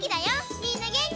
みんなげんき？